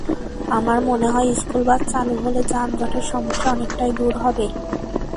আমার মনে হয়, স্কুলবাস চালু হলে যানজটের সমস্যা অনেকটাই দূর হবে।